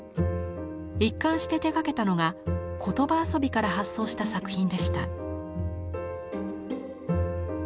一貫して手がけたのが言葉遊びから発想した作品でした。